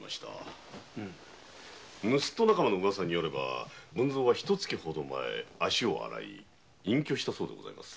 盗人仲間のウワサによれば文造はひと月ほど前足を洗い隠居したそうでございます。